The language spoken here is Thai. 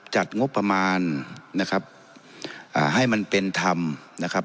จัดงบประมาณนะครับอ่าให้มันเป็นธรรมนะครับ